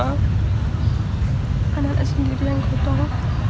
anak anak sendiri yang kebetulan